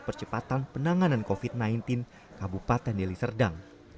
percepatan penanganan covid sembilan belas kabupaten deli serdang